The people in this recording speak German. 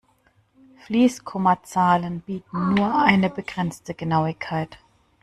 Fließkommazahlen bieten nur eine begrenzte Genauigkeit.